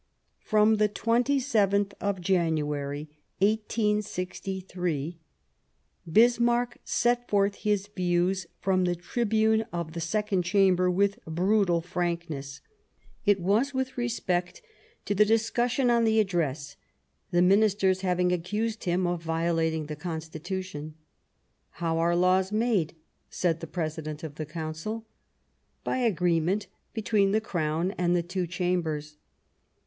From the 27th of January, 1863, Bismarck set forth his views from the tribune of the Second Chamber with brutal frankness. It Might goes ^^g with respect to the discussion before Right ,.^. on the Address, the Mmisters having accused him of violating the Constitution. " How are laws made ?" said the President of the Council. " By agreement between the Crown and the two Chambers.